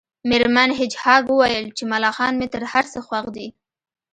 میرمن هیج هاګ وویل چې ملخان مې تر هر څه خوښ دي